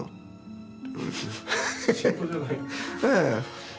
ええ。